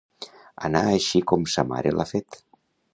Anar així com sa mare l'ha fet.